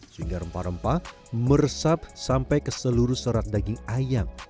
sehingga rempah rempah meresap sampai ke seluruh serat daging ayam